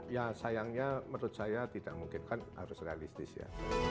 ya sayangnya menurut saya tidak mungkin kan harus realistis ya